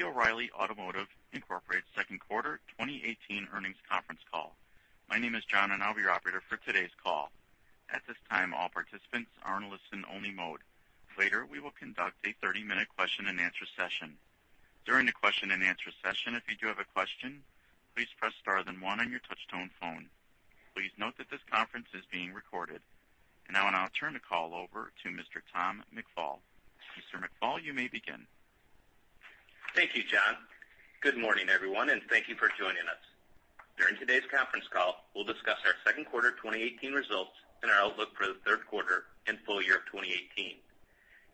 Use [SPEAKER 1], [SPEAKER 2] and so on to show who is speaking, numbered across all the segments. [SPEAKER 1] Welcome to the O'Reilly Automotive, Inc. second quarter 2018 earnings conference call. My name is John, and I'll be your operator for today's call. At this time, all participants are in listen only mode. Later, we will conduct a 30-minute question and answer session. During the question and answer session, if you do have a question, please press star then one on your touchtone phone. Please note that this conference is being recorded. I'll now turn the call over to Mr. Tom McFall. Mr. McFall, you may begin.
[SPEAKER 2] Thank you, John. Good morning, everyone, and thank you for joining us. During today's conference call, we'll discuss our second quarter 2018 results and our outlook for the third quarter and full year of 2018.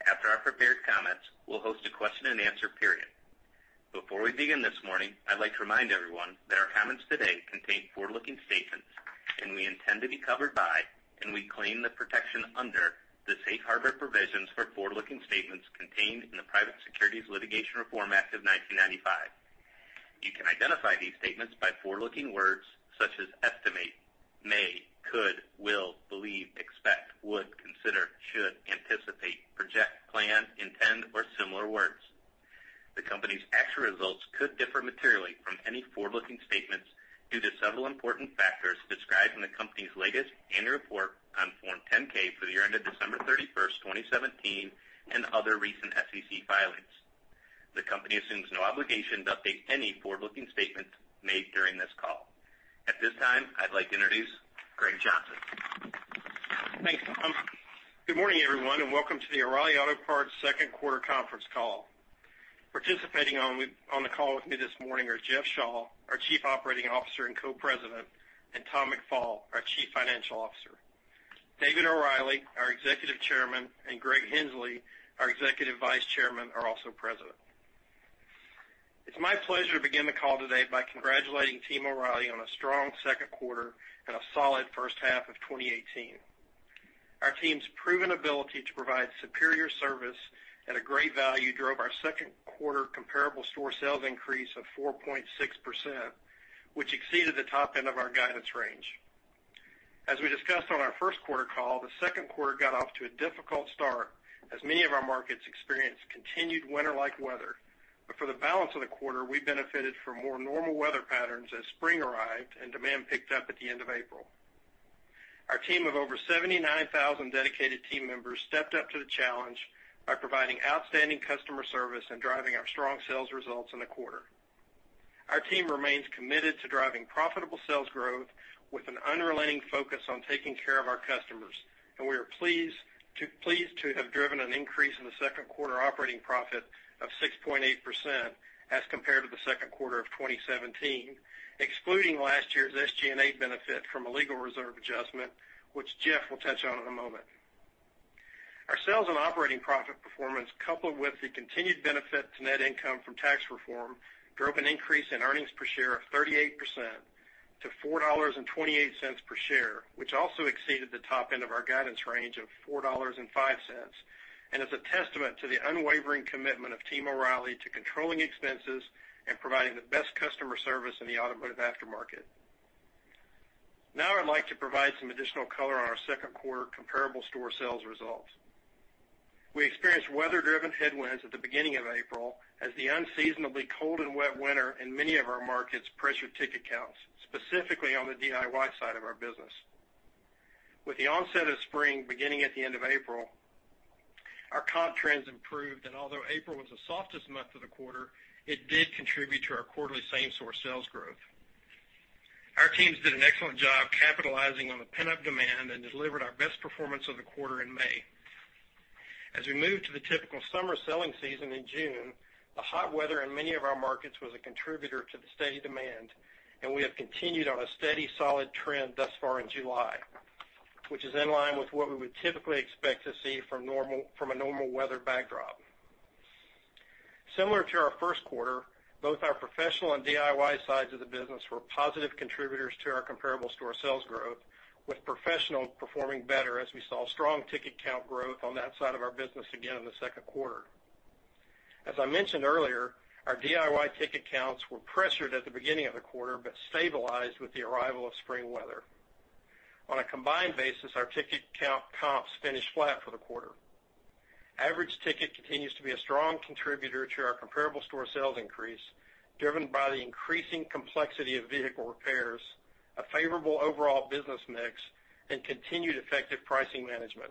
[SPEAKER 2] After our prepared comments, we'll host a question and answer period. Before we begin this morning, I'd like to remind everyone that our comments today contain forward-looking statements. We intend to be covered by and we claim the protection under the Safe Harbor Provisions for forward-looking statements contained in the Private Securities Litigation Reform Act of 1995. You can identify these statements by forward-looking words such as estimate, may, could, will, believe, expect, would, consider, should, anticipate, project, plan, intend, or similar words. The company's actual results could differ materially from any forward-looking statements due to several important factors described in the company's latest annual report on Form 10-K for the year ended December 31st, 2017, and other recent SEC filings. The company assumes no obligation to update any forward-looking statements made during this call. At this time, I'd like to introduce Greg Johnson.
[SPEAKER 3] Thanks, Tom. Good morning, everyone, and welcome to the O'Reilly Auto Parts second quarter conference call. Participating on the call with me this morning are Jeff Shaw, our Chief Operating Officer and Co-President, and Tom McFall, our Chief Financial Officer. David O'Reilly, our Executive Chairman, and Greg Henslee, our Executive Vice Chairman, are also present. It's my pleasure to begin the call today by congratulating Team O'Reilly on a strong second quarter and a solid first half of 2018. Our team's proven ability to provide superior service at a great value drove our second quarter comparable store sales increase of 4.6%, which exceeded the top end of our guidance range. As we discussed on our first quarter call, the second quarter got off to a difficult start as many of our markets experienced continued winter-like weather. For the balance of the quarter, we benefited from more normal weather patterns as spring arrived and demand picked up at the end of April. Our team of over 79,000 dedicated team members stepped up to the challenge by providing outstanding customer service and driving our strong sales results in the quarter. Our team remains committed to driving profitable sales growth with an unrelenting focus on taking care of our customers, and we are pleased to have driven an increase in the second quarter operating profit of 6.8% as compared to the second quarter of 2017, excluding last year's SG&A benefit from a legal reserve adjustment, which Jeff will touch on in a moment. Our sales and operating profit performance, coupled with the continued benefit to net income from tax reform, drove an increase in earnings per share of 38% to $4.28 per share, which also exceeded the top end of our guidance range of $4.05, and is a testament to the unwavering commitment of Team O'Reilly to controlling expenses and providing the best customer service in the automotive aftermarket. I'd like to provide some additional color on our second quarter comparable store sales results. We experienced weather-driven headwinds at the beginning of April as the unseasonably cold and wet winter in many of our markets pressured ticket counts, specifically on the DIY side of our business. With the onset of spring beginning at the end of April, our comp trends improved, and although April was the softest month of the quarter, it did contribute to our quarterly same store sales growth. Our teams did an excellent job capitalizing on the pent-up demand and delivered our best performance of the quarter in May. We moved to the typical summer selling season in June, the hot weather in many of our markets was a contributor to the steady demand, and we have continued on a steady solid trend thus far in July, which is in line with what we would typically expect to see from a normal weather backdrop. Similar to our first quarter, both our professional and DIY sides of the business were positive contributors to our comparable store sales growth, with professional performing better as we saw strong ticket count growth on that side of our business again in the second quarter. As I mentioned earlier, our DIY ticket counts were pressured at the beginning of the quarter but stabilized with the arrival of spring weather. On a combined basis, our ticket count comps finished flat for the quarter. Average ticket continues to be a strong contributor to our comparable store sales increase, driven by the increasing complexity of vehicle repairs, a favorable overall business mix, and continued effective pricing management.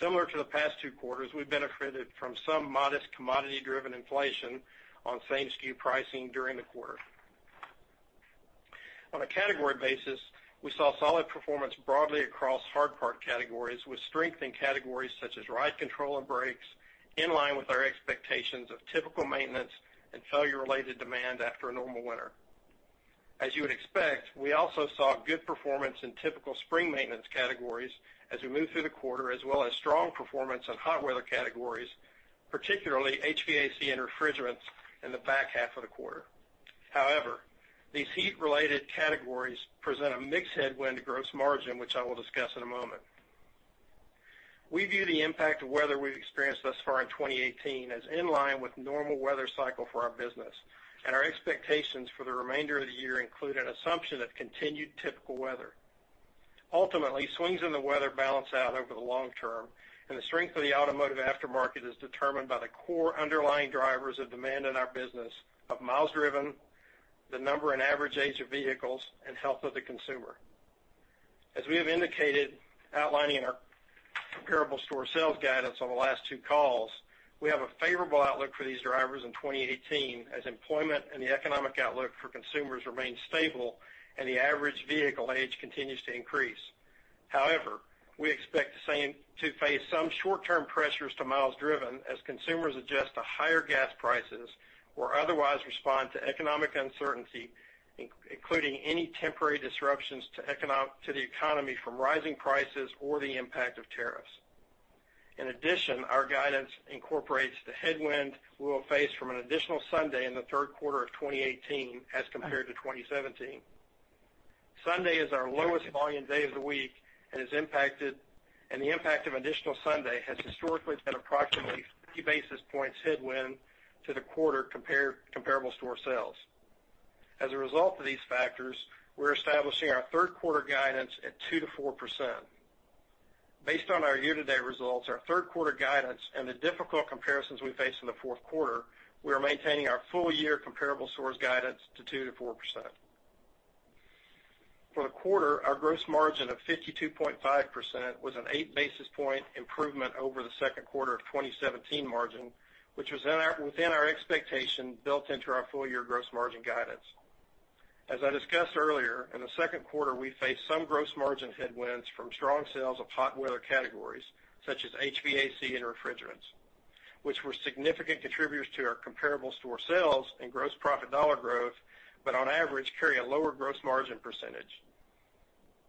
[SPEAKER 3] Similar to the past two quarters, we benefited from some modest commodity-driven inflation on same-sku pricing during the quarter. On a category basis, we saw solid performance broadly across hard part categories with strength in categories such as ride control and brakes, in line with our expectations of typical maintenance and failure-related demand after a normal winter. You would expect, we also saw good performance in typical spring maintenance categories as we moved through the quarter, as well as strong performance on hot weather categories, particularly HVAC and refrigerants in the back half of the quarter. However, these heat-related categories present a mixed headwind to gross margin, which I will discuss in a moment. We view the impact of weather we've experienced thus far in 2018 as in line with normal weather cycle for our business, and our expectations for the remainder of the year include an assumption of continued typical weather. Ultimately, swings in the weather balance out over the long term, and the strength of the Automotive Aftermarket is determined by the core underlying drivers of demand in our business of miles driven, the number and average age of vehicles, and health of the consumer. As we have indicated, outlining our comparable store sales guidance on the last two calls, we have a favorable outlook for these drivers in 2018, as employment and the economic outlook for consumers remain stable and the average vehicle age continues to increase. However, we expect to face some short-term pressures to miles driven as consumers adjust to higher gas prices or otherwise respond to economic uncertainty, including any temporary disruptions to the economy from rising prices or the impact of tariffs. In addition, our guidance incorporates the headwind we'll face from an additional Sunday in the third quarter of 2018 as compared to 2017. Sunday is our lowest volume day of the week, and the impact of additional Sunday has historically been approximately 50 basis points headwind to the quarter comparable store sales. As a result of these factors, we're establishing our third-quarter guidance at 2%-4%. Based on our year-to-date results, our third-quarter guidance, and the difficult comparisons we face in the fourth quarter, we are maintaining our full-year comparable stores guidance to 2%-4%. For the quarter, our gross margin of 52.5% was an eight-basis-point improvement over the second quarter of 2017 margin, which was within our expectation built into our full-year gross margin guidance. As I discussed earlier, in the second quarter, we faced some gross margin headwinds from strong sales of hot weather categories such as HVAC and refrigerants, which were significant contributors to our comparable store sales and gross profit dollar growth, but on average, carry a lower gross margin percentage.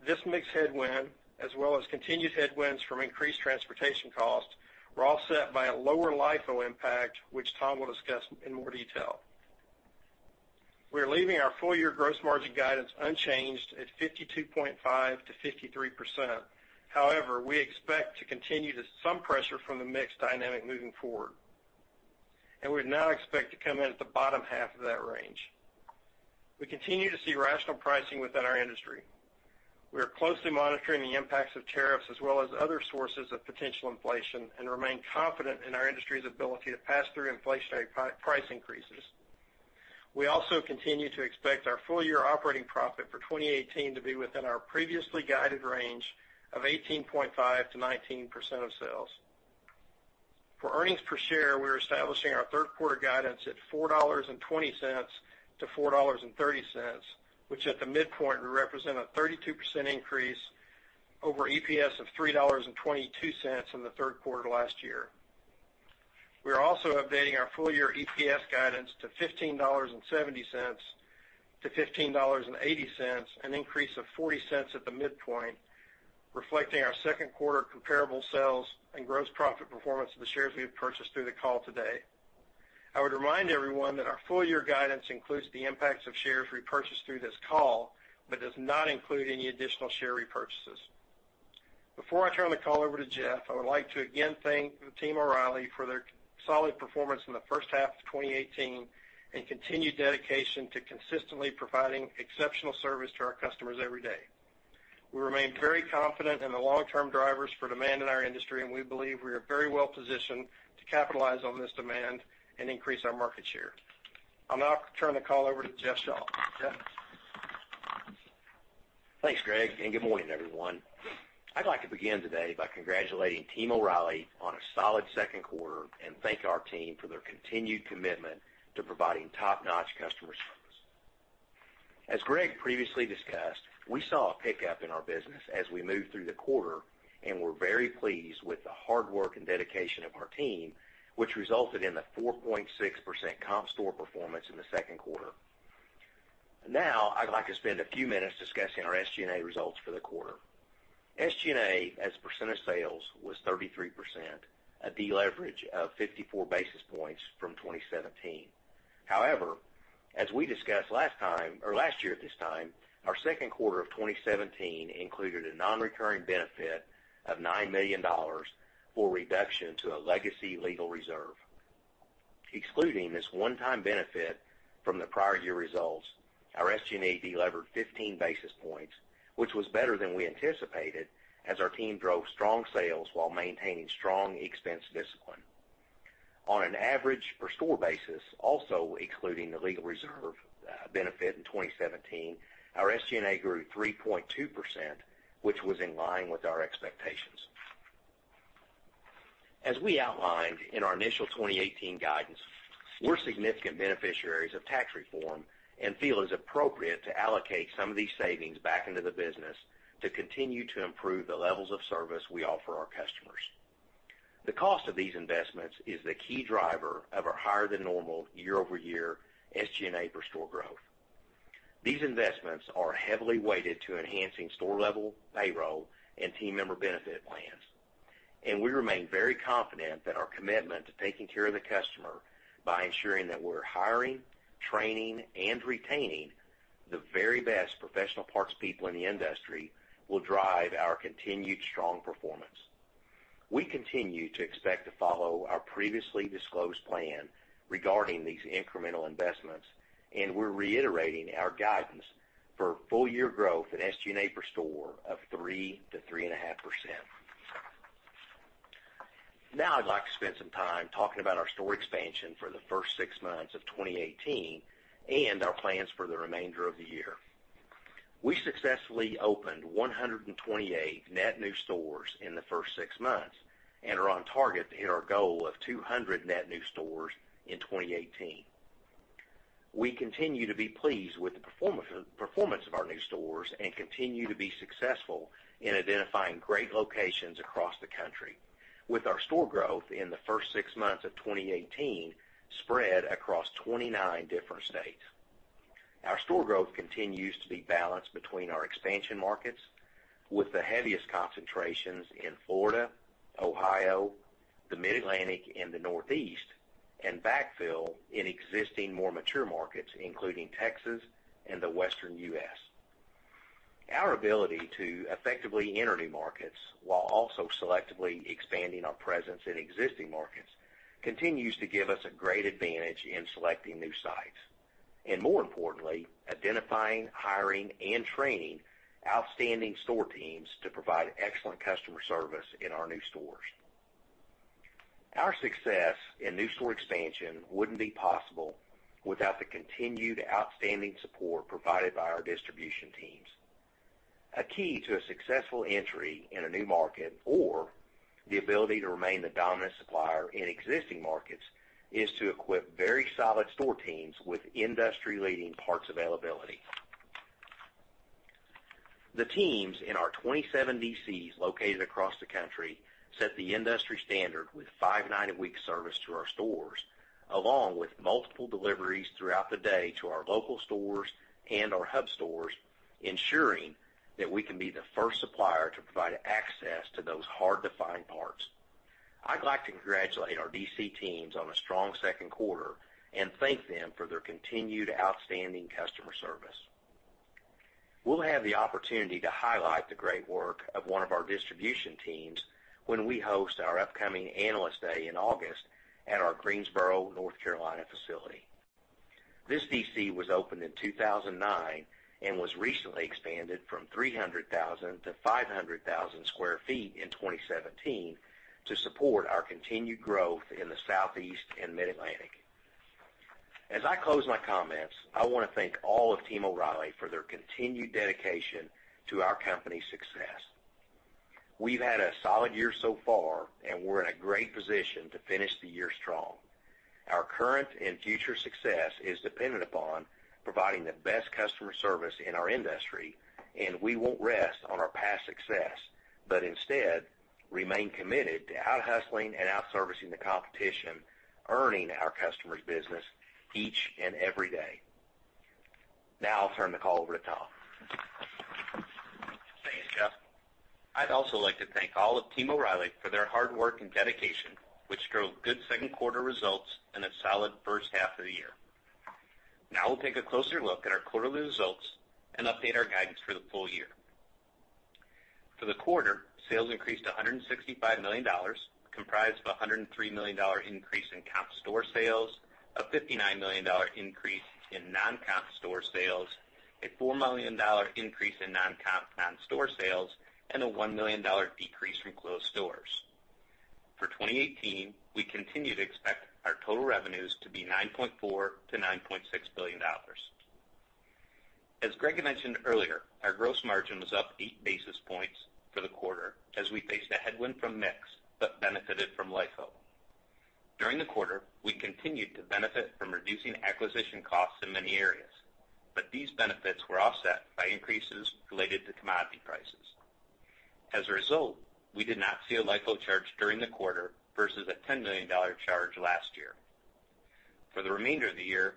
[SPEAKER 3] This mix headwind, as well as continued headwinds from increased transportation costs, were offset by a lower LIFO impact, which Tom will discuss in more detail. We are leaving our full-year gross margin guidance unchanged at 52.5%-53%. However, we expect to continue some pressure from the mix dynamic moving forward, and we now expect to come in at the bottom half of that range. We continue to see rational pricing within our industry. We are closely monitoring the impacts of tariffs as well as other sources of potential inflation and remain confident in our industry's ability to pass through inflationary price increases. We also continue to expect our full-year operating profit for 2018 to be within our previously guided range of 18.5%-19% of sales. For earnings per share, we're establishing our third-quarter guidance at $4.20-$4.30, which at the midpoint would represent a 32% increase over EPS of $3.22 in the third quarter last year. We are also updating our full-year EPS guidance to $15.70-$15.80, an increase of $0.40 at the midpoint, reflecting our second quarter comparable sales and gross profit performance of the shares we have purchased through the call today. I would remind everyone that our full-year guidance includes the impacts of shares repurchased through this call, but does not include any additional share repurchases. Before I turn the call over to Jeff, I would like to again thank the Team O’Reilly for their solid performance in the first half of 2018 and continued dedication to consistently providing exceptional service to our customers every day. We remain very confident in the long-term drivers for demand in our industry, we believe we are very well-positioned to capitalize on this demand and increase our market share. I'll now turn the call over to Jeff Shaw. Jeff?
[SPEAKER 4] Thanks, Greg, good morning, everyone. I'd like to begin today by congratulating Team O’Reilly on a solid second quarter and thank our team for their continued commitment to providing top-notch customer service. As Greg previously discussed, we saw a pickup in our business as we moved through the quarter, we're very pleased with the hard work and dedication of our team, which resulted in the 4.6% comp store performance in the second quarter. I'd like to spend a few minutes discussing our SG&A results for the quarter. SG&A as a percent of sales was 33%, a deleverage of 54 basis points from 2017. As we discussed last year at this time, our second quarter of 2017 included a non-recurring benefit of $9 million for reduction to a legacy legal reserve. Excluding this one-time benefit from the prior year results, our SG&A delevered 15 basis points, which was better than we anticipated as our team drove strong sales while maintaining strong expense discipline. On an average per store basis, also excluding the legal reserve benefit in 2017, our SG&A grew 3.2%, which was in line with our expectations. We outlined in our initial 2018 guidance, we're significant beneficiaries of tax reform and feel it's appropriate to allocate some of these savings back into the business to continue to improve the levels of service we offer our customers. The cost of these investments is the key driver of our higher-than-normal year-over-year SG&A per store growth. These investments are heavily weighted to enhancing store-level payroll and team member benefit plans, we remain very confident that our commitment to taking care of the customer by ensuring that we're hiring, training, and retaining the very best professional parts people in the industry will drive our continued strong performance. We continue to expect to follow our previously disclosed plan regarding these incremental investments, we're reiterating our guidance for full year growth in SG&A per store of 3%-3.5%. I'd like to spend some time talking about our store expansion for the first six months of 2018 and our plans for the remainder of the year. We successfully opened 128 net new stores in the first six months and are on target to hit our goal of 200 net new stores in 2018. We continue to be pleased with the performance of our new stores and continue to be successful in identifying great locations across the country with our store growth in the first six months of 2018 spread across 29 different states. Our store growth continues to be balanced between our expansion markets, with the heaviest concentrations in Florida, Ohio, the Mid-Atlantic and the Northeast, and backfill in existing, more mature markets, including Texas and the Western U.S. Our ability to effectively enter new markets while also selectively expanding our presence in existing markets continues to give us a great advantage in selecting new sites and, more importantly, identifying, hiring, and training outstanding store teams to provide excellent customer service in our new stores. Our success in new store expansion wouldn't be possible without the continued outstanding support provided by our distribution teams. A key to a successful entry in a new market or the ability to remain the dominant supplier in existing markets is to equip very solid store teams with industry-leading parts availability. The teams in our 27 DCs located across the country set the industry standard with five-night-a-week service to our stores, along with multiple deliveries throughout the day to our local stores and our hub stores, ensuring that we can be the first supplier to provide access to those hard-to-find parts. I'd like to congratulate our DC teams on a strong second quarter and thank them for their continued outstanding customer service. We'll have the opportunity to highlight the great work of one of our distribution teams when we host our upcoming Analyst Day in August at our Greensboro, North Carolina, facility. This DC was opened in 2009 and was recently expanded from 300,000 to 500,000 square feet in 2017 to support our continued growth in the Southeast and Mid-Atlantic. As I close my comments, I want to thank all of Team O’Reilly for their continued dedication to our company's success. We've had a solid year so far, and we're in a great position to finish the year strong. Our current and future success is dependent upon providing the best customer service in our industry, and we won't rest on our past success, but instead remain committed to out-hustling and out-servicing the competition, earning our customers' business each and every day. Now I'll turn the call over to Tom.
[SPEAKER 2] Thanks, Jeff. I'd also like to thank all of Team O’Reilly for their hard work and dedication, which drove good second quarter results and a solid first half of the year. Now we'll take a closer look at our quarterly results and update our guidance for the full year. For the quarter, sales increased to $165 million, comprised of $103 million increase in comp store sales, a $59 million increase in non-comp store sales, a $4 million increase in non-comp non-store sales, and a $1 million decrease from closed stores. For 2018, we continue to expect our total revenues to be $9.4 billion-$9.6 billion. As Greg mentioned earlier, our gross margin was up eight basis points for the quarter as we faced a headwind from mix but benefited from LIFO. During the quarter, we continued to benefit from reducing acquisition costs in many areas. These benefits were offset by increases related to commodity prices. As a result, we did not see a LIFO charge during the quarter versus a $10 million charge last year. For the remainder of the year,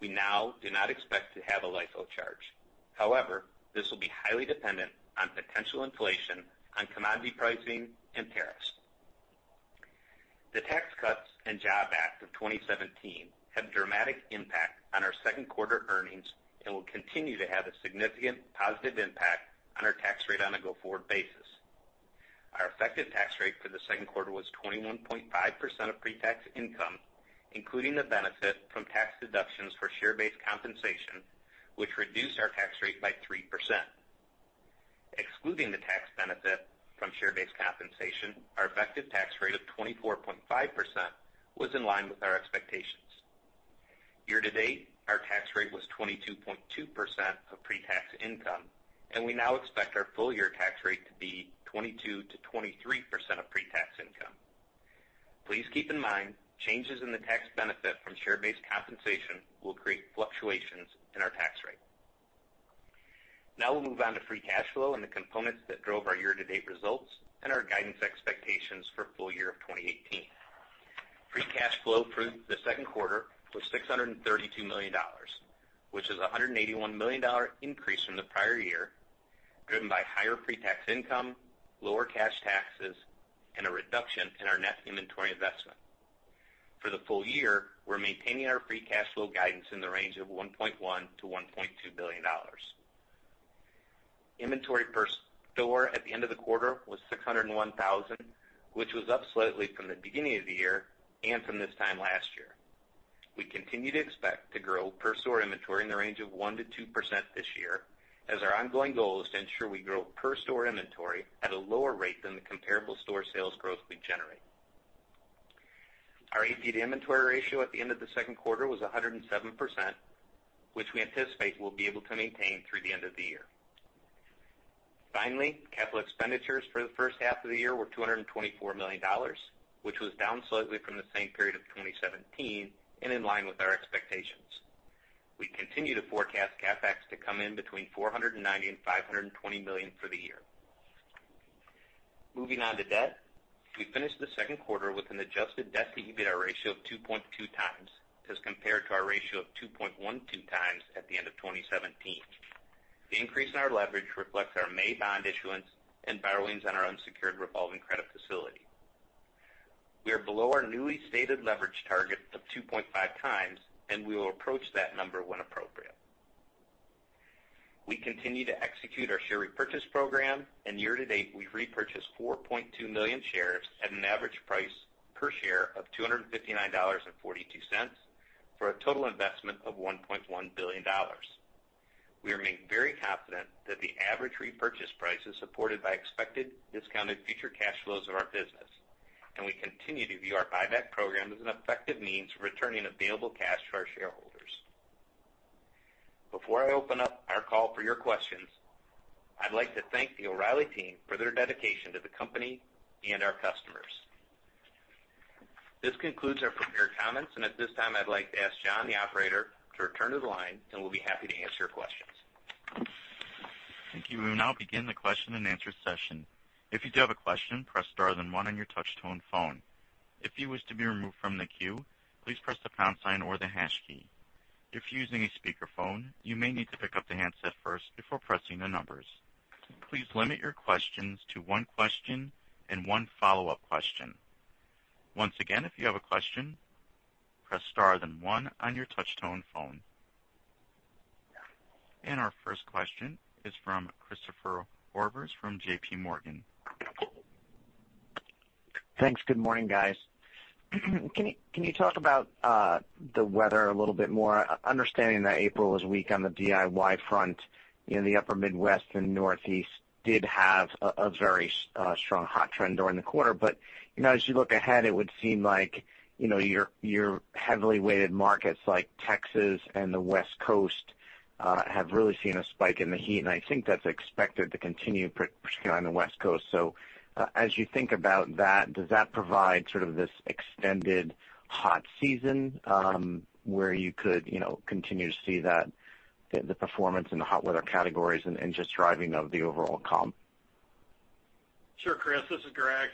[SPEAKER 2] we now do not expect to have a LIFO charge. This will be highly dependent on potential inflation on commodity pricing and tariffs. The Tax Cuts and Jobs Act of 2017 had a dramatic impact on our second quarter earnings and will continue to have a significant positive impact on our tax rate on a go-forward basis. Our effective tax rate for the second quarter was 21.5% of pre-tax income, including the benefit from tax deductions for share-based compensation, which reduced our tax rate by 3%. Excluding the tax benefit from share-based compensation, our effective tax rate of 24.5% was in line with our expectations. Year to date, our tax rate was 22.2% of pre-tax income, and we now expect our full year tax rate to be 22%-23% of pre-tax income. Please keep in mind, changes in the tax benefit from share-based compensation will create fluctuations in our tax rate. We'll move on to free cash flow and the components that drove our year-to-date results and our guidance expectations for full year of 2018. Free cash flow through the second quarter was $632 million, which is $181 million increase from the prior year, driven by higher pre-tax income, lower cash taxes, and a reduction in our net inventory investment. For the full year, we're maintaining our free cash flow guidance in the range of $1.1 billion-$1.2 billion. Inventory per store at the end of the quarter was 601,000, which was up slightly from the beginning of the year and from this time last year. We continue to expect to grow per store inventory in the range of 1%-2% this year, as our ongoing goal is to ensure we grow per store inventory at a lower rate than the comparable store sales growth we generate. Our AP to inventory ratio at the end of the second quarter was 107%, which we anticipate we'll be able to maintain through the end of the year. Capital expenditures for the first half of the year were $224 million, which was down slightly from the same period of 2017 and in line with our expectations. We continue to forecast CapEx to come in between $490 million and $520 million for the year. Moving on to debt. We finished the second quarter with an adjusted debt to EBITDA ratio of 2.2x as compared to our ratio of 2.12x at the end of 2017. The increase in our leverage reflects our May bond issuance and borrowings on our unsecured revolving credit facility. We are below our newly stated leverage target of 2.5x. We will approach that number when appropriate. We continue to execute our share repurchase program. Year to date, we've repurchased 4.2 million shares at an average price per share of $259.42 for a total investment of $1.1 billion. We remain very confident that the average repurchase price is supported by expected discounted future cash flows of our business. We continue to view our buyback program as an effective means for returning available cash to our shareholders. Before I open up our call for your questions, I'd like to thank the O'Reilly team for their dedication to the company and our customers. This concludes our prepared comments. At this time, I'd like to ask John, the operator, to return to the line. We'll be happy to answer your questions.
[SPEAKER 1] Thank you. We will now begin the question and answer session. If you do have a question, press star 1 on your touch tone phone. If you wish to be removed from the queue, please press the pound sign or the hash key. If you're using a speakerphone, you may need to pick up the handset first before pressing the numbers. Please limit your questions to one question and one follow-up question. Once again, if you have a question, press star 1 on your touch tone phone. Our first question is from Christopher Horvers from J.P. Morgan.
[SPEAKER 5] Thanks. Good morning, guys. Can you talk about the weather a little bit more? Understanding that April was weak on the DIY front in the upper Midwest and Northeast did have a very strong hot trend during the quarter. As you look ahead, it would seem like your heavily weighted markets like Texas and the West Coast have really seen a spike in the heat, and I think that's expected to continue, particularly on the West Coast. As you think about that, does that provide sort of this extended hot season, where you could continue to see the performance in the hot weather categories and just driving of the overall comp?
[SPEAKER 3] Sure, Chris. This is Greg.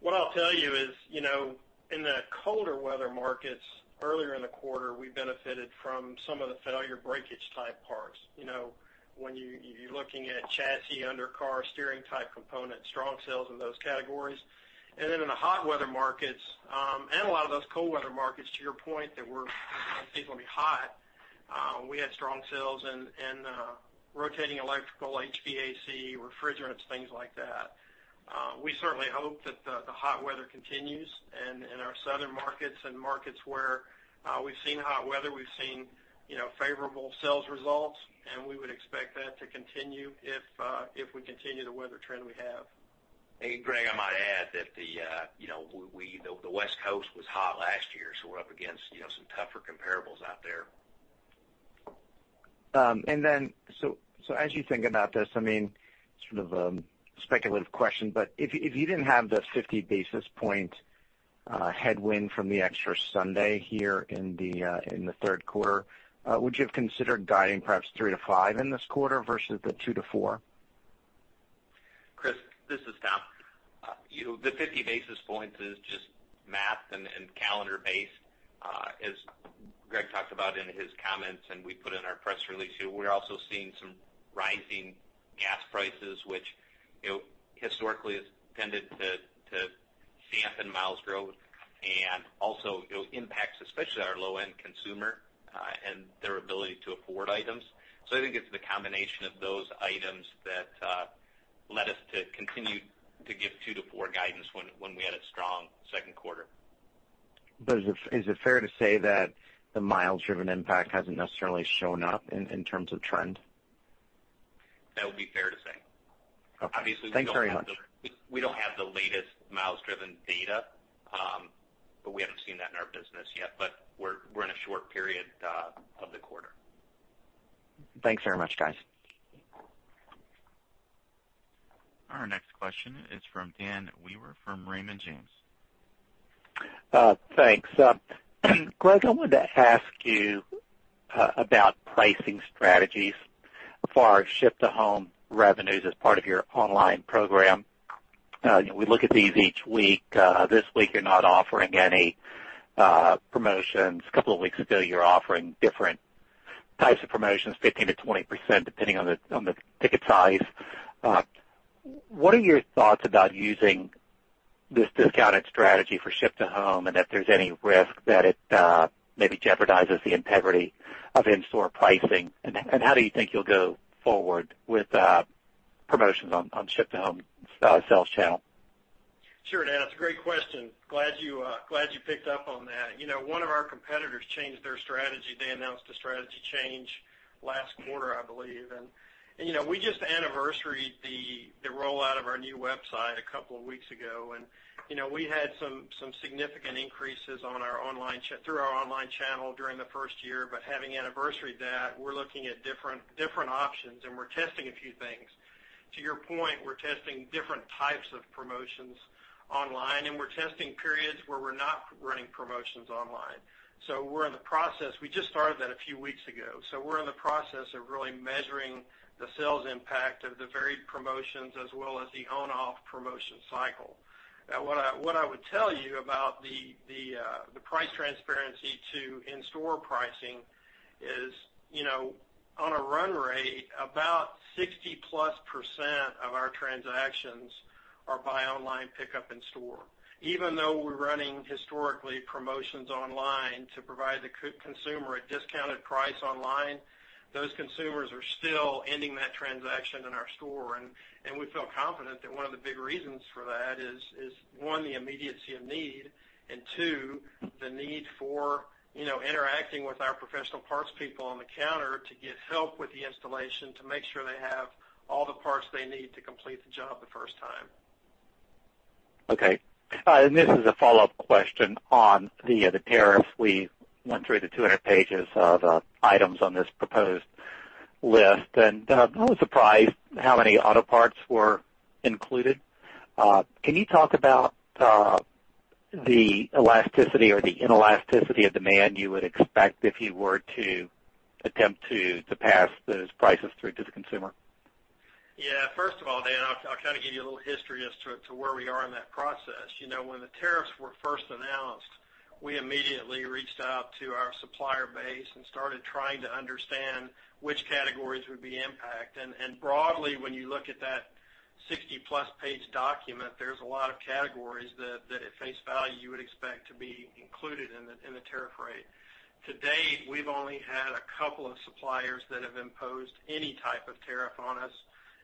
[SPEAKER 3] What I'll tell you is, in the colder weather markets earlier in the quarter, we benefited from some of the failure breakage type parts. When you're looking at chassis, under-car steering type components, strong sales in those categories. Then in the hot weather markets, and a lot of those cold weather markets, to your point, that were going to be hot. We had strong sales in rotating electrical, HVAC, refrigerants, things like that. We certainly hope that the hot weather continues and in our southern markets and markets where we've seen hot weather, we've seen favorable sales results, and we would expect that to continue if we continue the weather trend we have.
[SPEAKER 2] Hey, Greg, I might add that the West Coast was hot last year, we're up against some tougher comparables out there.
[SPEAKER 5] As you think about this, sort of speculative question, if you didn't have the 50 basis point headwind from the extra Sunday here in the third quarter, would you have considered guiding perhaps three to five in this quarter versus the two to four?
[SPEAKER 2] Chris, this is Tom. The 50 basis points is just math and calendar based. As Greg talked about in his comments and we put in our press release too, we're also seeing some rising gas prices, which historically has tended to dampen miles growth and also impacts especially our low-end consumer and their ability to afford items. I think it's the combination of those items that led us to continue to give two to four guidance when we had a strong second quarter.
[SPEAKER 5] Is it fair to say that the mile-driven impact hasn't necessarily shown up in terms of trend?
[SPEAKER 2] That would be fair to say.
[SPEAKER 5] Okay. Thanks very much.
[SPEAKER 2] Obviously, we don't have the latest miles-driven data, but we haven't seen that in our business yet, but we're in a short period of the quarter.
[SPEAKER 5] Thanks very much, guys.
[SPEAKER 1] Our next question is from Daniel Weber from Raymond James.
[SPEAKER 6] Thanks. Greg, I wanted to ask you about pricing strategies for our ship-to-home revenues as part of your online program. We look at these each week. This week you're not offering any promotions. A couple of weeks ago, you were offering different types of promotions, 15%-20% depending on the ticket size. What are your thoughts about using this discounted strategy for ship-to-home, if there's any risk that it maybe jeopardizes the integrity of in-store pricing. How do you think you'll go forward with promotions on ship-to-home sales channel?
[SPEAKER 3] Sure, Dan. It's a great question. Glad you picked up on that. One of our competitors changed their strategy. They announced a strategy change last quarter, I believe. We just anniversaried the rollout of our new website a couple of weeks ago, and we had some significant increases through our online channel during the first year. Having anniversaried that, we're looking at different options, and we're testing a few things. To your point, we're testing different types of promotions online, and we're testing periods where we're not running promotions online. We're in the process. We just started that a few weeks ago. We're in the process of really measuring the sales impact of the varied promotions as well as the on-off promotion cycle. What I would tell you about the price transparency to in-store pricing is, on a run rate, about 60-plus% of our transactions are buy online, pickup in store. Even though we're running historically promotions online to provide the consumer a discounted price online, those consumers are still ending that transaction in our store. We feel confident that one of the big reasons for that is, one, the immediacy of need, two, the need for interacting with our professional parts people on the counter to get help with the installation to make sure they have all the parts they need to complete the job the first time.
[SPEAKER 6] Okay. This is a follow-up question on the tariffs. We went through the 200 pages of items on this proposed list, and I was surprised how many auto parts were included. Can you talk about the elasticity or the inelasticity of demand you would expect if you were to attempt to pass those prices through to the consumer?
[SPEAKER 3] Yeah. First of all, Dan, I'll give you a little history as to where we are in that process. When the tariffs were first announced, we immediately reached out to our supplier base and started trying to understand which categories would be impacted. Broadly, when you look at that 60-plus page document, there's a lot of categories that at face value you would expect to be included in the tariff rate. To date, we've only had a couple of suppliers that have imposed any type of tariff on us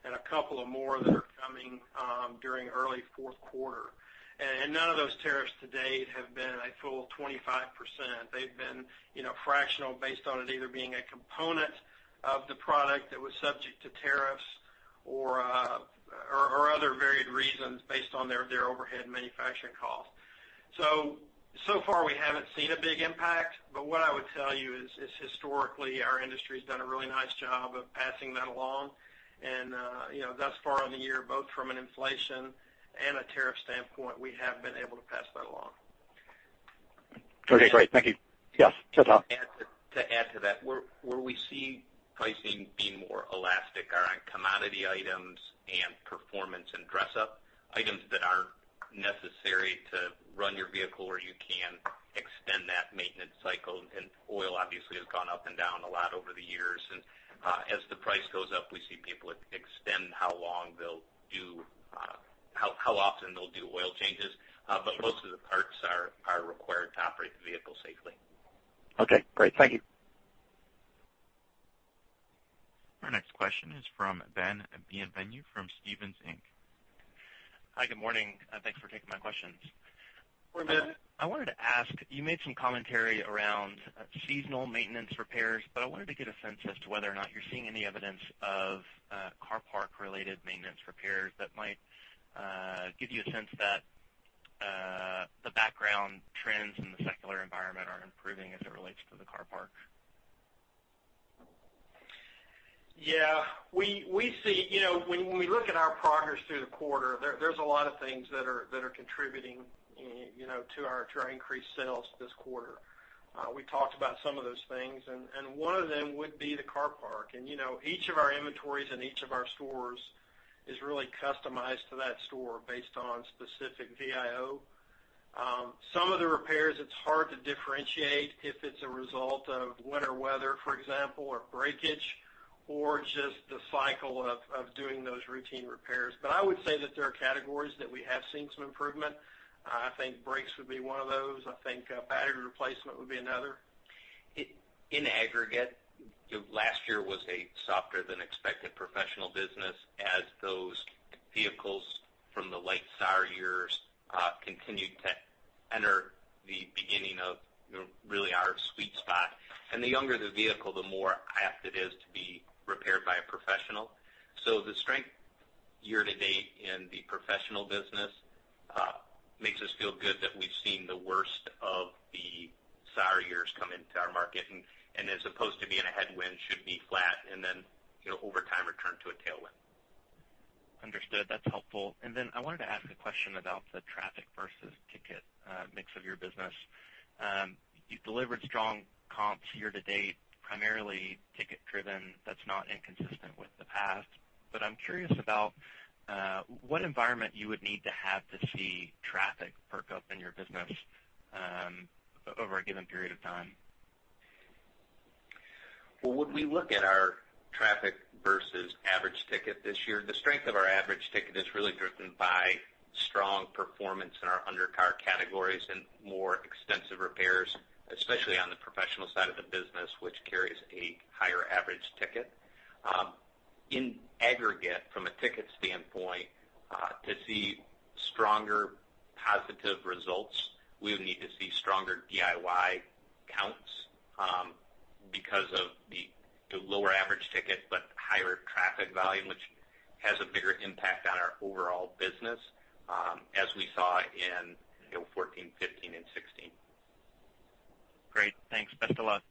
[SPEAKER 3] and a couple of more that are coming during early fourth quarter. None of those tariffs to date have been a full 25%. They've been fractional based on it either being a component of the product that was subject to tariffs or other varied reasons based on their overhead manufacturing cost. So far we haven't seen a big impact. What I would tell you is historically, our industry's done a really nice job of passing that along. Thus far in the year, both from an inflation and a tariff standpoint, we have been able to pass that along.
[SPEAKER 6] Okay, great. Thank you. Yes, goodluck.
[SPEAKER 2] To add to that, where we see pricing being more elastic are on commodity items and performance and dress-up items that aren't necessary to run your vehicle or you can extend that maintenance cycle. Oil obviously has gone up and down a lot over the years. As the price goes up, we see people extend how often they'll do oil changes. Most of the parts are required to operate the vehicle safely.
[SPEAKER 6] Okay, great. Thank you.
[SPEAKER 1] Our next question is from Ben Bienvenu from Stephens Inc.
[SPEAKER 7] Hi, good morning. Thanks for taking my questions.
[SPEAKER 3] Good morning.
[SPEAKER 7] I wanted to ask, you made some commentary around seasonal maintenance repairs, but I wanted to get a sense as to whether or not you're seeing any evidence of car park related maintenance repairs that might give you a sense that the background trends in the secular environment are improving as it relates to the car park.
[SPEAKER 3] Yeah. When we look at our progress through the quarter, there's a lot of things that are contributing to our increased sales this quarter. We talked about some of those things, one of them would be the car park. Each of our inventories in each of our stores is really customized to that store based on specific VIO. Some of the repairs, it's hard to differentiate if it's a result of winter weather, for example, or breakage, or just the cycle of doing those routine repairs. I would say that there are categories that we have seen some improvement. I think brakes would be one of those. I think battery replacement would be another.
[SPEAKER 2] In aggregate, last year was a softer-than-expected professional business as those vehicles from the late SAR years continued to enter the beginning of really our sweet spot. The younger the vehicle, the more apt it is to be repaired by a professional. The strength year-to-date in the professional business makes us feel good that we've seen the worst of the SAR years come into our market, and as opposed to being a headwind, should be flat. Over time, return to a tailwind.
[SPEAKER 7] Understood. That's helpful. I wanted to ask a question about the traffic versus ticket mix of your business. You've delivered strong comps year to date, primarily ticket driven. That's not inconsistent with the past. I'm curious about what environment you would need to have to see traffic perk up in your business over a given period of time.
[SPEAKER 2] When we look at our traffic versus average ticket this year, the strength of our average ticket is really driven by strong performance in our under car categories and more extensive repairs, especially on the professional side of the business, which carries a higher average ticket. In aggregate, from a ticket standpoint, to see stronger positive results, we would need to see stronger DIY counts because of the lower average ticket, but higher traffic volume, which has a bigger impact on our overall business, as we saw in 2014, 2015, and 2016.
[SPEAKER 7] Great. Thanks. Best of luck.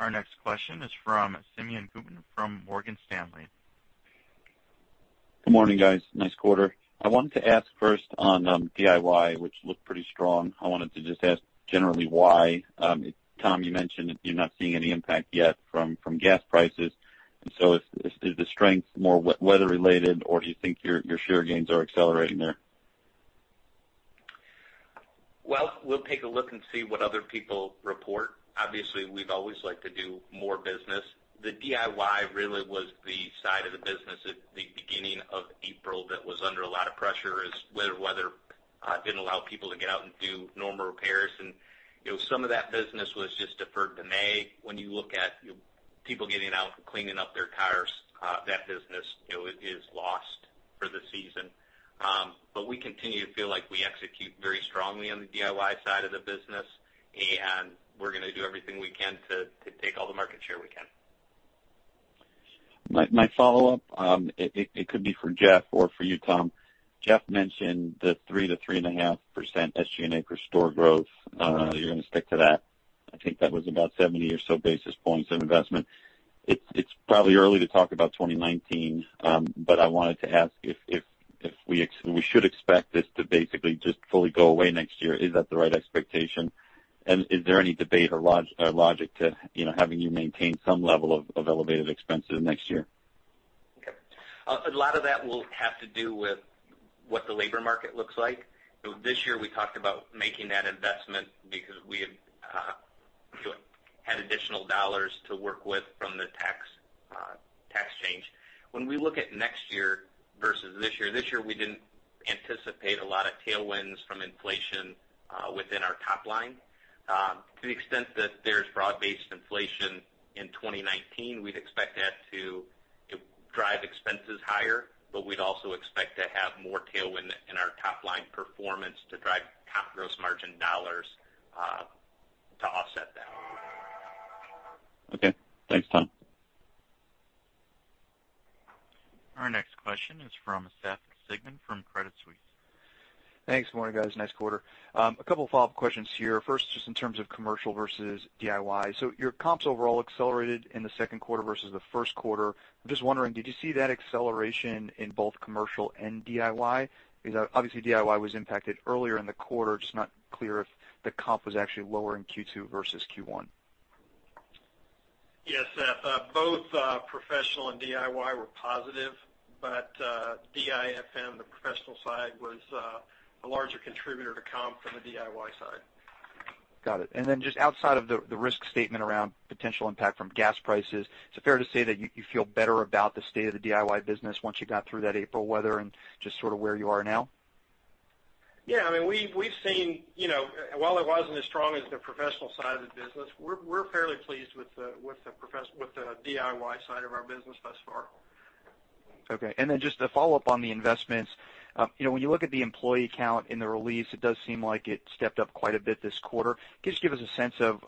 [SPEAKER 1] Our next question is from Simeon Gutman from Morgan Stanley.
[SPEAKER 8] Good morning, guys. Nice quarter. I wanted to ask first on DIY, which looked pretty strong. I wanted to just ask generally why. Tom, you mentioned that you're not seeing any impact yet from gas prices. Is the strength more weather related, or do you think your share gains are accelerating there?
[SPEAKER 2] Well, we'll take a look and see what other people report. Obviously, we'd always like to do more business. The DIY really was the side of the business at the beginning of April that was under a lot of pressure as wet weather didn't allow people to get out and do normal repairs. Some of that business was just deferred to May. When you look at people getting out and cleaning up their cars, that business is lost for the season. We continue to feel like we execute very strongly on the DIY side of the business, and we're going to do everything we can to take all the market share we can.
[SPEAKER 8] My follow-up, it could be for Jeff or for you, Tom. Jeff mentioned the 3%-3.5% SG&A per store growth. You're going to stick to that. I think that was about 70 or so basis points of investment. It's probably early to talk about 2019. I wanted to ask if we should expect this to basically just fully go away next year. Is that the right expectation? Is there any debate or logic to having you maintain some level of elevated expenses next year?
[SPEAKER 2] Okay. A lot of that will have to do with what the labor market looks like. This year we talked about making that investment because we had additional dollars to work with from the tax change. When we look at next year versus this year, this year we didn't anticipate a lot of tailwinds from inflation within our top line. To the extent that there's broad-based inflation in 2019, we'd expect that to drive expenses higher. We'd also expect to have more tailwind in our top-line performance to drive comp gross margin dollars to offset that.
[SPEAKER 8] Okay. Thanks, Tom.
[SPEAKER 1] Our next question is from Seth Sigman from Credit Suisse.
[SPEAKER 9] Thanks. Good morning, guys. Nice quarter. A couple follow-up questions here. First, just in terms of commercial versus DIY. Your comps overall accelerated in the second quarter versus the first quarter. I'm just wondering, did you see that acceleration in both commercial and DIY? Because obviously DIY was impacted earlier in the quarter, just not clear if the comp was actually lower in Q2 versus Q1.
[SPEAKER 3] Yes, Seth, both professional and DIY were positive, DIFM, the professional side, was a larger contributor to comp from the DIY side.
[SPEAKER 9] Got it. Just outside of the risk statement around potential impact from gas prices, is it fair to say that you feel better about the state of the DIY business once you got through that April weather and just sort of where you are now?
[SPEAKER 3] While it wasn't as strong as the professional side of the business, we're fairly pleased with the DIY side of our business thus far.
[SPEAKER 9] Okay. Just to follow up on the investments. When you look at the employee count in the release, it does seem like it stepped up quite a bit this quarter. Can you just give us a sense of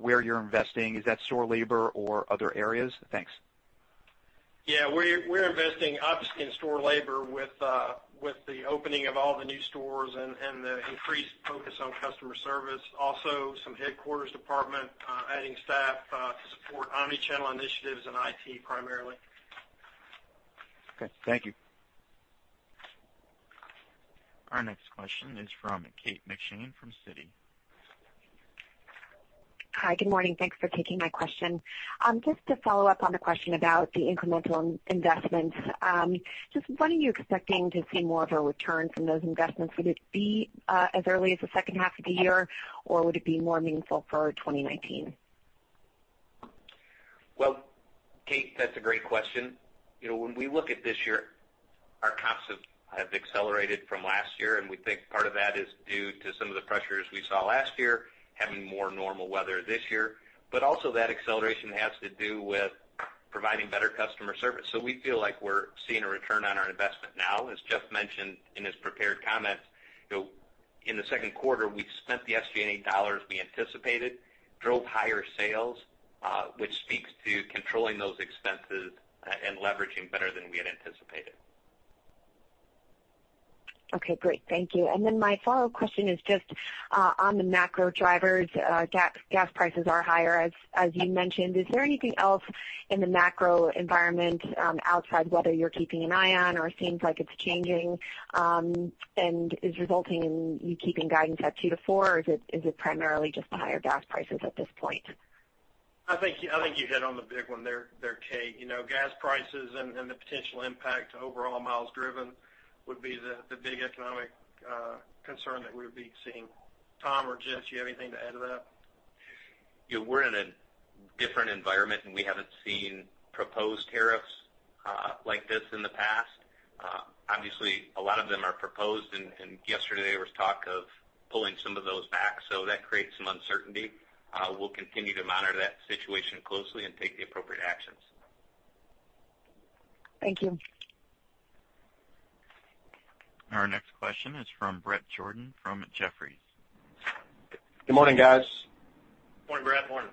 [SPEAKER 9] where you're investing? Is that store labor or other areas? Thanks.
[SPEAKER 3] We're investing obviously in store labor with the opening of all the new stores and the increased focus on customer service. Also some headquarters department adding staff to support omni-channel initiatives and IT primarily.
[SPEAKER 9] Okay. Thank you.
[SPEAKER 1] Our next question is from Kate McShane from Citi.
[SPEAKER 10] Hi. Good morning. Thanks for taking my question. Just to follow up on the question about the incremental investments. Just when are you expecting to see more of a return from those investments? Would it be as early as the second half of the year, or would it be more meaningful for 2019?
[SPEAKER 2] Well, Kate, that's a great question. When we look at this year, our comps have accelerated from last year, and we think part of that is due to some of the pressures we saw last year, having more normal weather this year. Also that acceleration has to do with providing better customer service. We feel like we're seeing a return on our investment now. As Jeff mentioned in his prepared comments, in the second quarter, we spent the SG&A dollars we anticipated, drove higher sales, which speaks to controlling those expenses and leveraging better than we had anticipated.
[SPEAKER 10] Okay, great. Thank you. My follow-up question is just on the macro drivers. Gas prices are higher, as you mentioned. Is there anything else in the macro environment outside the weather you're keeping an eye on or seems like it's changing and is resulting in you keeping guidance at 2-4, or is it primarily just the higher gas prices at this point?
[SPEAKER 3] I think you hit on the big one there, Kate. Gas prices and the potential impact to overall miles driven would be the big economic concern that we would be seeing. Tom or Jeff, do you have anything to add to that?
[SPEAKER 2] Yeah. We're in a different environment. We haven't seen proposed tariffs like this in the past. Obviously, a lot of them are proposed. Yesterday there was talk of pulling some of those back, that creates some uncertainty. We'll continue to monitor that situation closely and take the appropriate actions.
[SPEAKER 10] Thank you.
[SPEAKER 1] Our next question is from Bret Jordan from Jefferies.
[SPEAKER 11] Good morning, guys.
[SPEAKER 3] Morning, Bret.
[SPEAKER 2] Morning.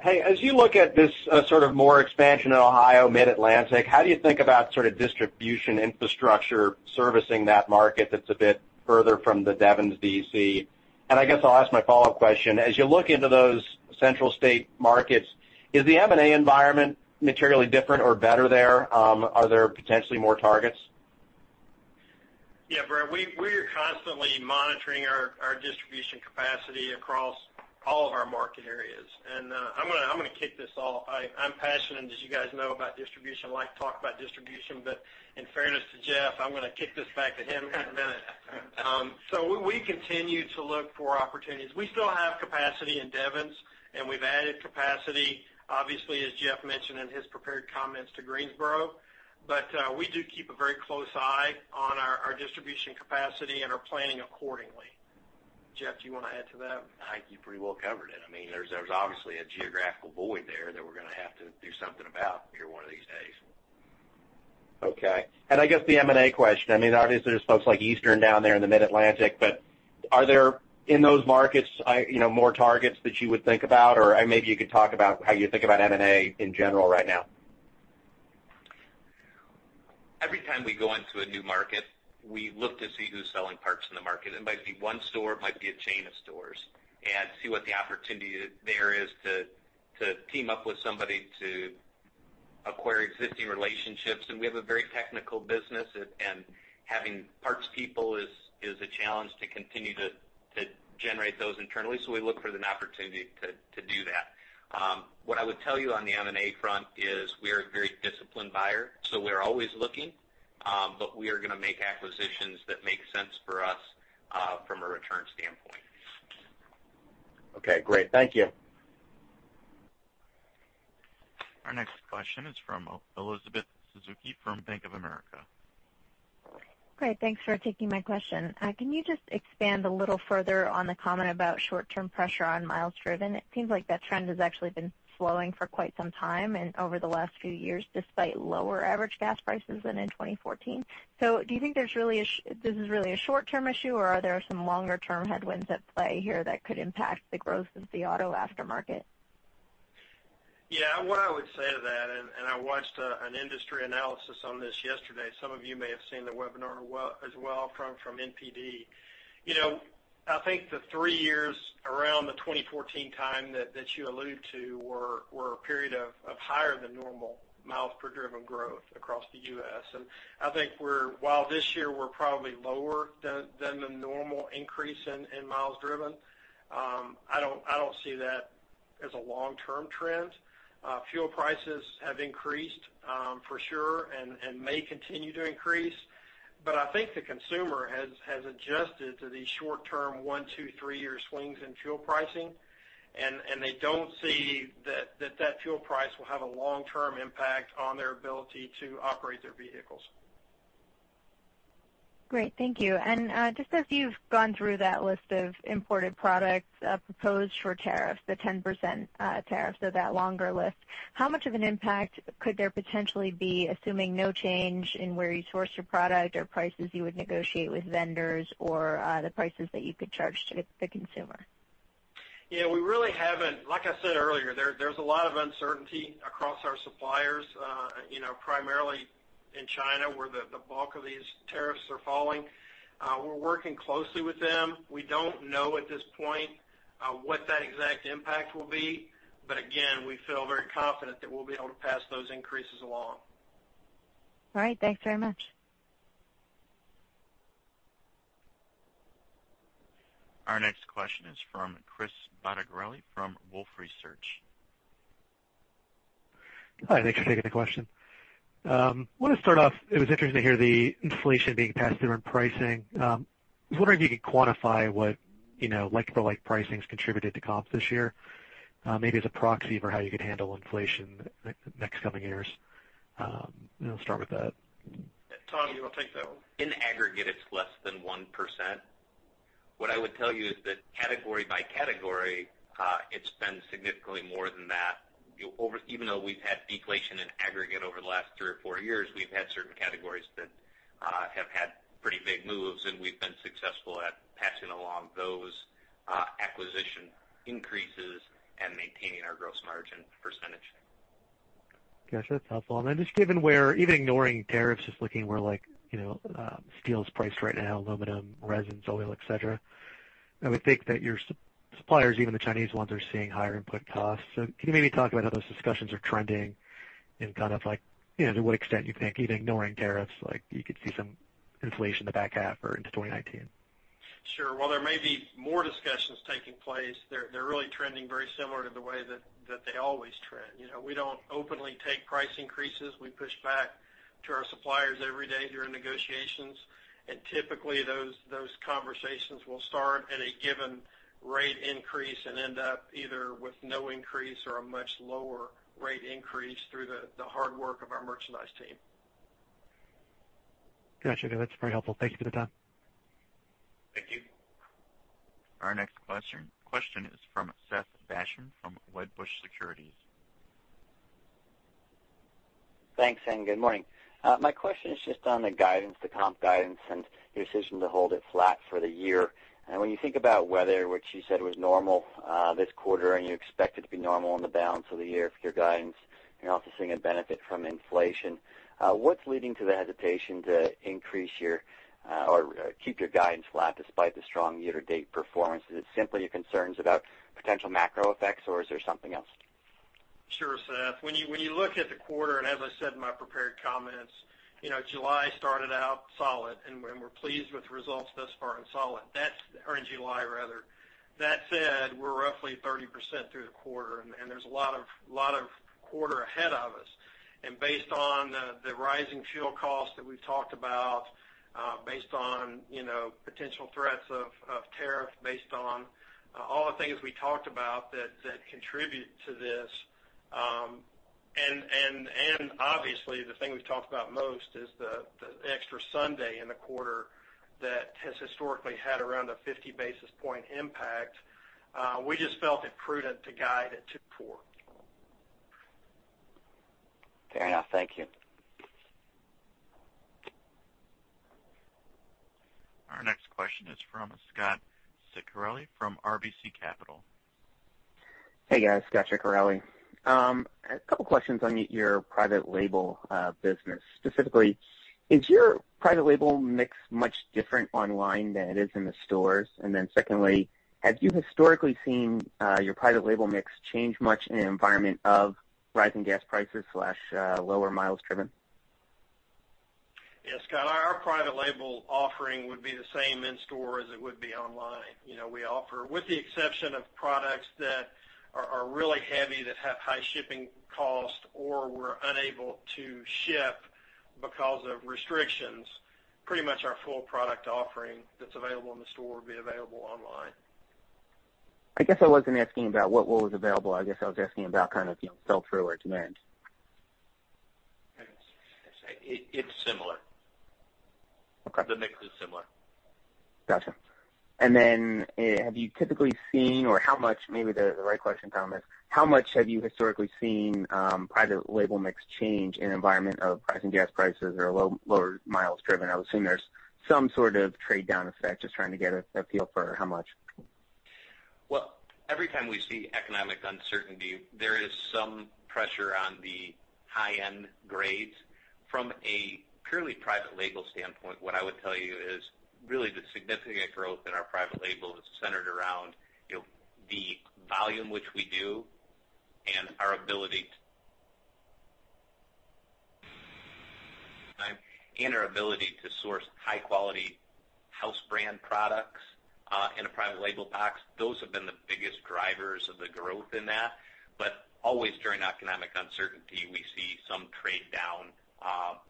[SPEAKER 11] Hey, as you look at this sort of more expansion in Ohio, mid-Atlantic, how do you think about distribution infrastructure servicing that market that's a bit further from the Devens DC? I guess I'll ask my follow-up question. As you look into those central state markets, is the M&A environment materially different or better there? Are there potentially more targets?
[SPEAKER 3] Bret. We are constantly monitoring our distribution capacity across all of our market areas. I'm going to kick this off. I'm passionate, as you guys know, about distribution. I like to talk about distribution, but in fairness to Jeff, I'm going to kick this back to him in a minute. We continue to look for opportunities. We still have capacity in Devens, and we've added capacity, obviously, as Jeff mentioned in his prepared comments to Greensboro. We do keep a very close eye on our distribution capacity and are planning accordingly. Jeff, do you want to add to that?
[SPEAKER 4] I think you pretty well covered it. There's obviously a geographical void there that we're going to have to do something about here one of these days.
[SPEAKER 11] Okay. I guess the M&A question, obviously there's folks like Eastern down there in the mid-Atlantic, but are there, in those markets, more targets that you would think about? Maybe you could talk about how you think about M&A in general right now.
[SPEAKER 2] Every time we go into a new market, we look to see who's selling parts in the market. It might be one store, it might be a chain of stores. See what the opportunity there is to team up with somebody to acquire existing relationships. We have a very technical business, and having parts people is a challenge to continue to generate those internally, so we look for an opportunity to do that. What I would tell you on the M&A front is we are a very disciplined buyer, so we're always looking. We are going to make acquisitions that make sense for us, from a return standpoint.
[SPEAKER 11] Okay, great. Thank you.
[SPEAKER 1] Our next question is from Elizabeth Suzuki from Bank of America.
[SPEAKER 12] Great. Thanks for taking my question. Can you just expand a little further on the comment about short-term pressure on miles driven? It seems like that trend has actually been slowing for quite some time and over the last few years, despite lower average gas prices than in 2014. Do you think this is really a short-term issue, or are there some longer-term headwinds at play here that could impact the growth of the auto aftermarket?
[SPEAKER 3] Yeah. What I would say to that, I watched an industry analysis on this yesterday. Some of you may have seen the webinar as well from NPD. I think the three years around the 2014 time that you allude to were a period of higher than normal miles per driven growth across the U.S. I think while this year we're probably lower than the normal increase in miles driven, I don't see that as a long-term trend. Fuel prices have increased for sure, and may continue to increase. I think the consumer has adjusted to these short term one, two, three year swings in fuel pricing, and they don't see that that fuel price will have a long-term impact on their ability to operate their vehicles.
[SPEAKER 12] Great. Thank you. Just as you've gone through that list of imported products proposed for tariffs, the 10% tariffs, so that longer list, how much of an impact could there potentially be, assuming no change in where you source your product or prices you would negotiate with vendors or the prices that you could charge to the consumer?
[SPEAKER 3] Yeah, like I said earlier, there's a lot of uncertainty across our suppliers, primarily in China, where the bulk of these tariffs are falling. We're working closely with them. We don't know at this point what that exact impact will be. Again, we feel very confident that we'll be able to pass those increases along.
[SPEAKER 12] All right. Thanks very much.
[SPEAKER 1] Our next question is from Chris Bottiglieri from Wolfe Research.
[SPEAKER 13] Hi, thanks for taking the question. I want to start off, it was interesting to hear the inflation being passed through in pricing. I was wondering if you could quantify what like for like pricing's contributed to comps this year, maybe as a proxy for how you could handle inflation next coming years. Start with that.
[SPEAKER 3] Tom, you want to take that one?
[SPEAKER 2] In aggregate, it's less than 1%. What I would tell you is that category by category, it's been significantly more than that. Even though we've had deflation in aggregate over the last three or four years, we've had certain categories that have had pretty big moves, and we've been successful at passing along those acquisition increases and maintaining our gross margin percentage.
[SPEAKER 13] Got you. That's helpful. Just given where, even ignoring tariffs, just looking where steel's priced right now, aluminum, resins, oil, et cetera, I would think that your suppliers, even the Chinese ones, are seeing higher input costs. Can you maybe talk about how those discussions are trending and to what extent you think, even ignoring tariffs, you could see some inflation in the back half or into 2019?
[SPEAKER 3] Sure. While there may be more discussions taking place, they're really trending very similar to the way that they always trend. We don't openly take price increases. We push back to our suppliers every day during negotiations. Typically, those conversations will start at a given rate increase and end up either with no increase or a much lower rate increase through the hard work of our merchandise team.
[SPEAKER 13] Got you. That's very helpful. Thank you for the time.
[SPEAKER 3] Thank you.
[SPEAKER 1] Our next question is from Seth Basham from Wedbush Securities.
[SPEAKER 14] Thanks, good morning. My question is just on the guidance, the comp guidance, and your decision to hold it flat for the year. When you think about weather, which you said was normal this quarter, and you expect it to be normal on the balance of the year for your guidance, you're also seeing a benefit from inflation. What's leading to the hesitation to increase your, or keep your guidance flat despite the strong year-to-date performance? Is it simply your concerns about potential macro effects, or is there something else?
[SPEAKER 3] Sure, Seth. When you look at the quarter, and as I said in my prepared comments, July started out solid, and we're pleased with the results thus far in July. That said, we're roughly 30% through the quarter, and there's a lot of quarter ahead of us. Based on the rising fuel costs that we've talked about, based on potential threats of tariff, based on all the things we talked about that contribute to this, and obviously the thing we've talked about most is the extra Sunday in the quarter that has historically had around a 50 basis point impact. We just felt it prudent to guide it to four.
[SPEAKER 14] Fair enough. Thank you.
[SPEAKER 1] Our next question is from Scot Ciccarelli from RBC Capital.
[SPEAKER 15] Hey, guys. Scot Ciccarelli. A couple questions on your private label business. Specifically, is your private label mix much different online than it is in the stores? Secondly, have you historically seen your private label mix change much in an environment of rising gas prices/lower miles driven?
[SPEAKER 3] Yeah, Scot, our private label offering would be the same in store as it would be online. We offer, with the exception of products that are really heavy, that have high shipping cost, or we're unable to ship because of restrictions, pretty much our full product offering that's available in the store would be available online.
[SPEAKER 15] I guess I wasn't asking about what was available. I guess I was asking about sell-through or demand.
[SPEAKER 3] It's similar.
[SPEAKER 15] Okay.
[SPEAKER 3] The mix is similar.
[SPEAKER 15] Got you. Then have you typically seen, or how much, maybe the right question, Tom, how much have you historically seen private label mix change in an environment of rising gas prices or lower miles driven? I would assume there's some sort of trade-down effect, just trying to get a feel for how much.
[SPEAKER 2] Well, every time we see economic uncertainty, there is some pressure on the high-end grades. From a purely private label standpoint, what I would tell you is really the significant growth in our private label is centered around the volume which we do and our ability to source high-quality house brand products in a private label box. Those have been the biggest drivers of the growth in that. Always during economic uncertainty, we see some trade down,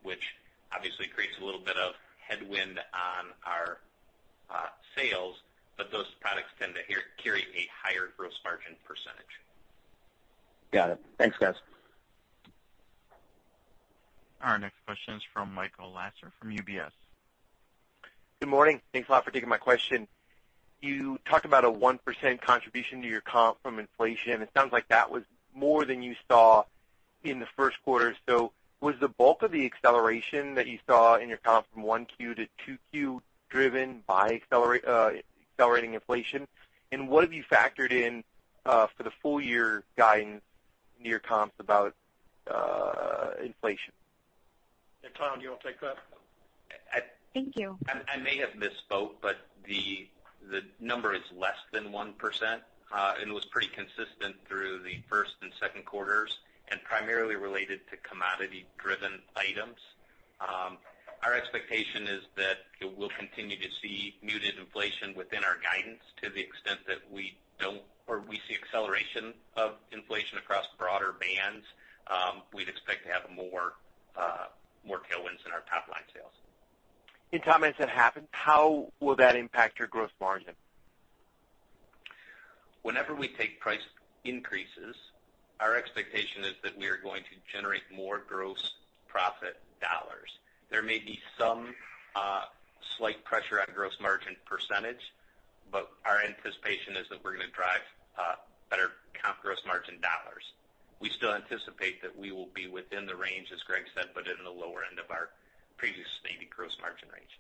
[SPEAKER 2] which obviously creates a little bit of headwind on our sales, but those products tend to carry a higher gross margin percentage.
[SPEAKER 15] Got it. Thanks, guys.
[SPEAKER 1] Our next question is from Michael Lasser from UBS.
[SPEAKER 16] Good morning. Thanks a lot for taking my question. You talked about a 1% contribution to your comp from inflation. It sounds like that was more than you saw in the first quarter. Was the bulk of the acceleration that you saw in your comp from one Q to two Q driven by accelerating inflation? What have you factored in for the full-year guidance in your comps about inflation?
[SPEAKER 3] Hey, Tom, do you want to take that?
[SPEAKER 16] Thank you.
[SPEAKER 2] I may have misspoke, the number is less than 1%, and it was pretty consistent through the first and second quarters and primarily related to commodity-driven items. Our expectation is that we'll continue to see muted inflation within our guidance to the extent that we don't or we see acceleration of inflation across broader bands, we'd expect to have more tailwinds in our top-line sales.
[SPEAKER 16] Tom, as that happens, how will that impact your gross margin?
[SPEAKER 2] Whenever we take price increases, our expectation is that we are going to generate more gross profit dollars. There may be some slight pressure on gross margin percentage, but our anticipation is that we're going to drive better comp gross margin dollars. We still anticipate that we will be within the range, as Greg said, but in the lower end of our previously stated gross margin range.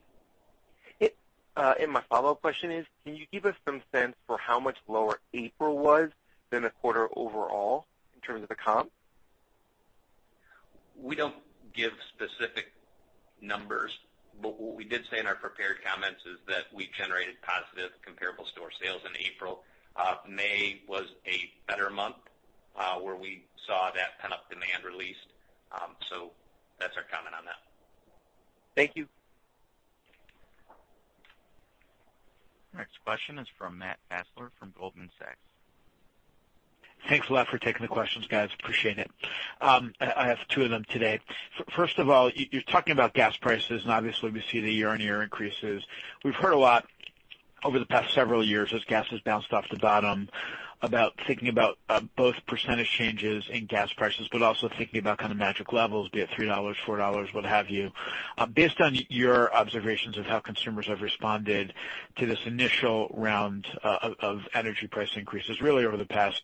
[SPEAKER 16] My follow-up question is, can you give us some sense for how much lower April was than the quarter overall in terms of the comp?
[SPEAKER 2] We don't give specific numbers, but what we did say in our prepared comments is that we generated positive comparable store sales in April. May was a better month where we saw that pent-up demand release.
[SPEAKER 3] Our comment on that.
[SPEAKER 16] Thank you.
[SPEAKER 1] Next question is from Matt Fassler from Goldman Sachs.
[SPEAKER 17] Thanks a lot for taking the questions, guys. Appreciate it. I have two of them today. First of all, you're talking about gas prices, obviously we see the year-on-year increases. We've heard a lot over the past several years as gas has bounced off the bottom about thinking about both percentage changes in gas prices, but also thinking about kind of magic levels, be it $3, $4, what have you. Based on your observations of how consumers have responded to this initial round of energy price increases, really over the past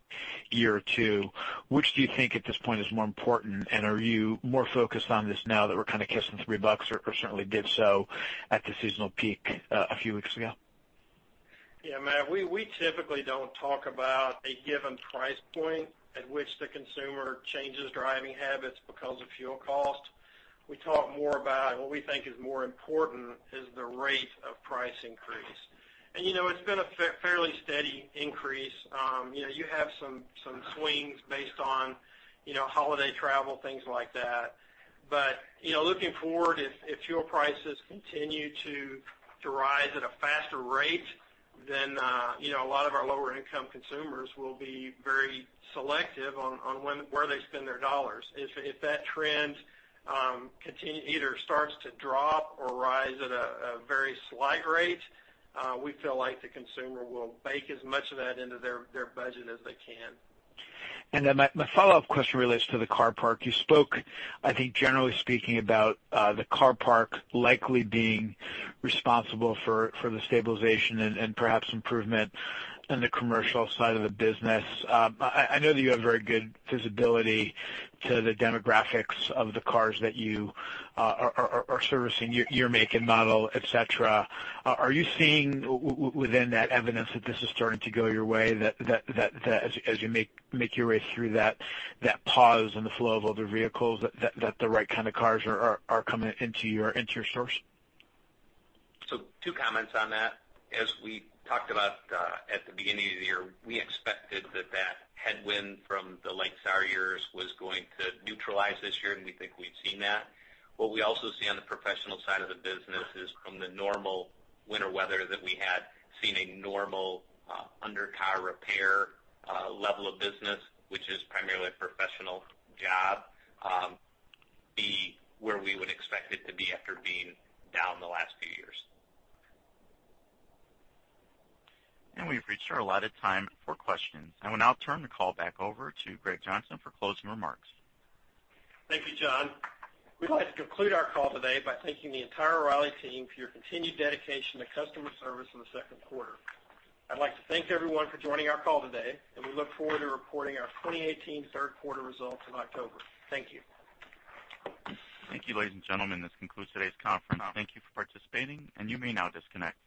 [SPEAKER 17] year or two, which do you think at this point is more important? Are you more focused on this now that we're kind of kissing $3 bucks or certainly did so at the seasonal peak a few weeks ago?
[SPEAKER 3] Yeah, Matt, we typically don't talk about a given price point at which the consumer changes driving habits because of fuel cost. We talk more about what we think is more important is the rate of price increase. It's been a fairly steady increase. You have some swings based on holiday travel, things like that. Looking forward, if fuel prices continue to rise at a faster rate, then a lot of our lower income consumers will be very selective on where they spend their dollars. If that trend either starts to drop or rise at a very slight rate, we feel like the consumer will bake as much of that into their budget as they can.
[SPEAKER 17] My follow-up question relates to the car park. You spoke, I think, generally speaking, about the car park likely being responsible for the stabilization and perhaps improvement in the commercial side of the business. I know that you have very good visibility to the demographics of the cars that you are servicing, year, make, and model, et cetera. Are you seeing within that evidence that this is starting to go your way, that as you make your way through that pause in the flow of older vehicles, that the right kind of cars are coming into your source?
[SPEAKER 3] Two comments on that. As we talked about at the beginning of the year, we expected that that headwind from the late SAR years was going to neutralize this year, and we think we've seen that. What we also see on the professional side of the business is from the normal winter weather that we had seen a normal undercar repair level of business, which is primarily a professional job, be where we would expect it to be after being down the last few years.
[SPEAKER 1] We've reached our allotted time for questions. I will now turn the call back over to Greg Johnson for closing remarks.
[SPEAKER 3] Thank you, John. We'd like to conclude our call today by thanking the entire O'Reilly team for your continued dedication to customer service in the second quarter. I'd like to thank everyone for joining our call today, and we look forward to reporting our 2018 third quarter results in October. Thank you.
[SPEAKER 1] Thank you, ladies and gentlemen. This concludes today's conference. Thank you for participating, and you may now disconnect.